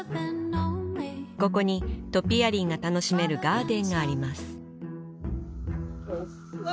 ここにトピアリーが楽しめるガーデンがあります